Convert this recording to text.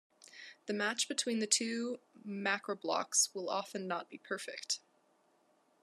The match between the two macroblocks will often not be perfect.